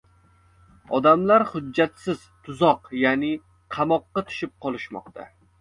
Odamlar hujjatsiz “tuzoq”, yaʼni qamoqqa tushib qolishmoqda.